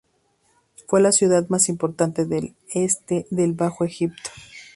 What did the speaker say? Fue la ciudad más importante del este del Bajo Egipto.